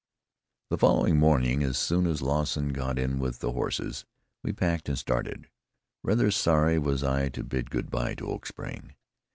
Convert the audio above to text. The following morning, as soon as Lawson got in with the horses, we packed and started. Rather sorry was I to bid good by to Oak Spring.